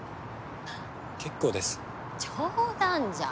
結構です冗談じゃん